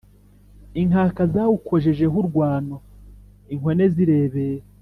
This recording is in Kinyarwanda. Inkaka zawukojejeho urwano inkone zirebera